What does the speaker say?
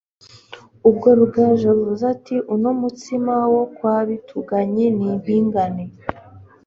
ubwo Rugaju avuze ati Uno mutsima wo kwa Bituganyi ni impingane